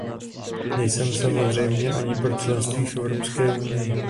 Nejsem samozřejmě ani pro členství v Evropské unii.